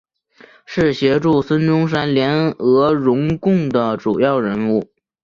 是协助孙中山联俄容共的主要人物。